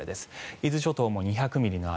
伊豆諸島も２００ミリの雨。